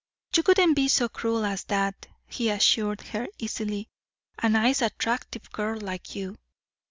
"You wouldn't be so cruel as that," he assured her easily; "a nice attractive girl like you."